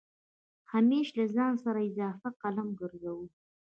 همېش له ځان سره اضافه قلم ګرځوه